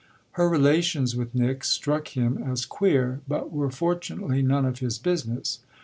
Her relations with Nick struck him as queer, but were fortunately none of his business.